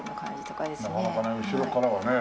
なかなかね後ろからはね。